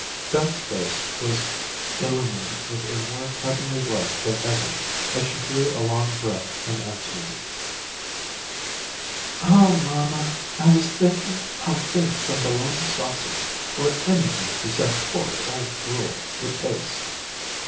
Beth's face was illumined with a more heavenly light than ever as she drew a long breath and answered: "Oh mamma, I was thinking how good some Bologna sausage, or anything besides horrid old gruel, would taste."